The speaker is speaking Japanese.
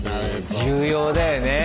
重要だよね。